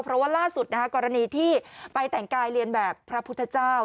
เพราะว่าล่าสุดกรณีที่ไปแต่งกายเรียนแบบพระพุทธเจ้า